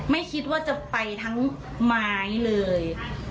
ไม่คิดว่าจะไปทั้งไม้เลย